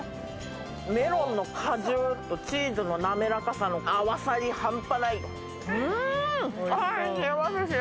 メロンの果汁とチーズのなめらかさの合わさり、半端ないよ。